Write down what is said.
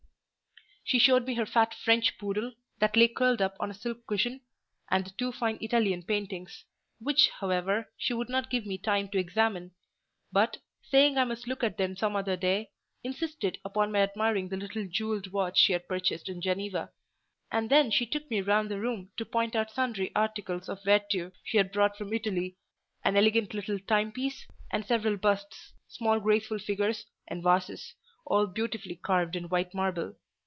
She showed me her fat French poodle, that lay curled up on a silk cushion, and the two fine Italian paintings: which, however, she would not give me time to examine, but, saying I must look at them some other day, insisted upon my admiring the little jewelled watch she had purchased in Geneva; and then she took me round the room to point out sundry articles of vertu she had brought from Italy: an elegant little timepiece, and several busts, small graceful figures, and vases, all beautifully carved in white marble.